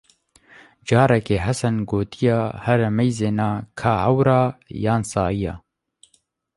Carekê Hesen gotiyê, here meyzêne, ka ewr e, yan sayî ye!